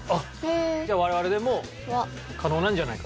じゃあ我々でも可能なんじゃないかと。